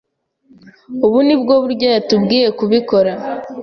Ubu ni bwo buryo yatubwiye kubikora.